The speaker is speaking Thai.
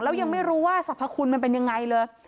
แล้วยังไม่รู้ว่าสรรพคุณมันเป็นยังไงเลย